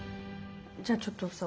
じゃあちょっとさ教えて。